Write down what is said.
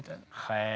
へえ。